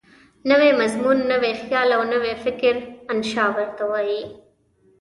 نوی مضمون، نوی خیال او نوی فکر انشأ ورته وايي.